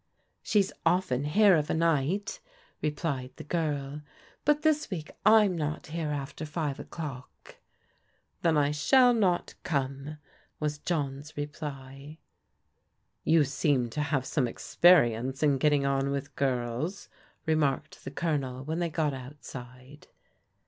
" She's often here of a night," replied the girl, " but this week I'm not here after five o'clock." " Then I shall not come," was John's reply. " You seem to have some experience in getting on with girls," remarked the Colonel when they got out side.